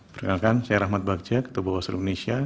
perkenalkan saya rahmat bagja ketua bawaslu indonesia